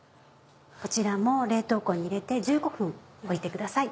こちらも冷凍庫に入れて１５分置いてください。